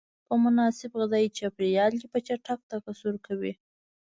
په مناسب غذایي چاپیریال کې په چټکۍ تکثر کوي.